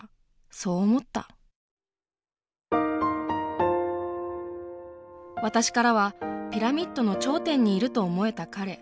そう思った私からはピラミッドの頂点にいると思えた彼。